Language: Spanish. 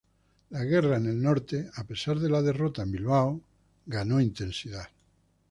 La guerra en el Norte, a pesar de la derrota en Bilbao, ganó intensidad.